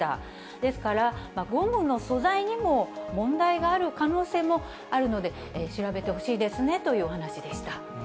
ですから、ゴムの素材にも問題がある可能性もあるので、調べてほしいですねというお話でした。